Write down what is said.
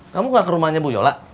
kamu gak ke rumahnya bu yola